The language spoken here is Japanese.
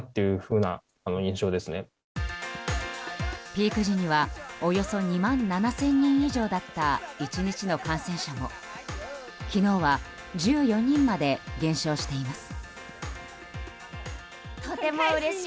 ピーク時にはおよそ２万７０００人以上だった１日の感染者も、昨日は１４人まで減少しています。